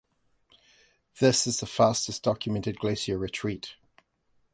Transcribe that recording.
This is the fastest documented glacier retreat.